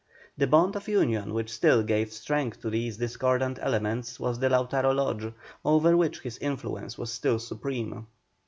The bond of union which still gave strength to these discordant elements was the Lautaro Lodge, over which his influence was still supreme.